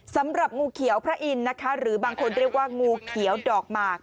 สำหรับงูเขียวพระอินทร์นะคะหรือบางคนเรียกว่างูเขียวดอกหมาก